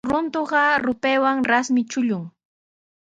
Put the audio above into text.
Runtuqa rupaywan sasmi chullun.